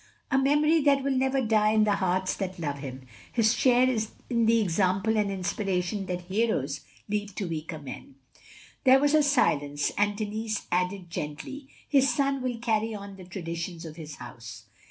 "A memory that will never die in the hearts that love him, — ^his share in the example and inspiration that heroes leave to weaker men —*' There was a silence, and Denis added, gently, " His son will carry on the traditions of his house.